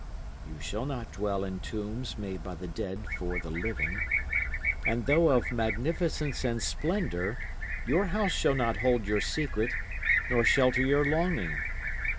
You shall not dwell in tombs made by the dead for the living. And though of magnificence and splendour, your house shall not hold your secret nor shelter your longing.